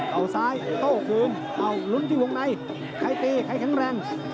เอาซ้ายโต้คืนเอาลุ้นที่วงในใครตีใครแข็งแรง